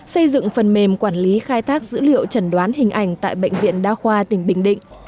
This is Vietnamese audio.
xây dựng phần mềm quản lý khai thác dữ liệu trần đoán hình ảnh tại bệnh viện đa khoa tỉnh bình định